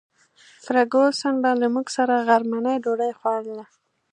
فرګوسن به له موږ سره غرمنۍ ډوډۍ خوړله.